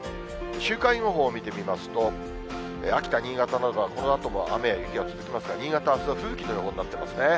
週間予報を見てみますと、秋田、新潟などはこのあとも雨や雪が続きますから、新潟、あすは吹雪の予報になっていますね。